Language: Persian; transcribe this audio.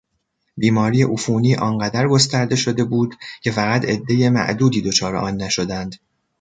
بیماری عفونی آنقدرگسترده شده بود که فقط عدهی معدودی دچار آن نشدند.